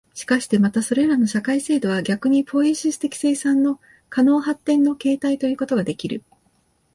しかしてまたそれらの社会制度は逆にポイエシス的生産の可能発展の形態ということができる、